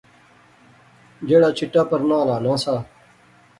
جیہڑا چٹا پرنا ہلانا سا